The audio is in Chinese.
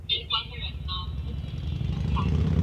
分布于台湾中高海拔的潮湿地。